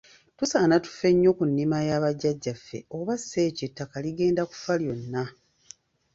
Tusaana tufe nnyo ku nnima ya bajjajjaffe oba si ekyo ettaka ligenda kufa lyonna.